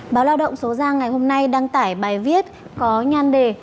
báo lao động số ra ngày hôm nay đăng tải bài viết có nhan đề